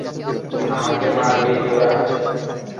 আমাকে মারবি তোরা।